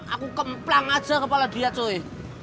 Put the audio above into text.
aku kemplang aja kepala dia cuy